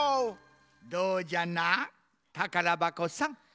どうじゃなたからばこさん？